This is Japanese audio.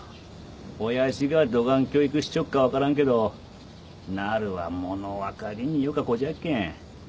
親父がどがん教育しちょっか分からんけどなるは物分かりんよか子じゃっけん。